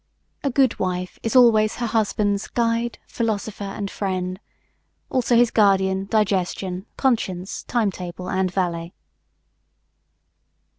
A good wife is always her husband's "guide, philosopher and friend"; also his guardian, digestion, conscience, time table and valet.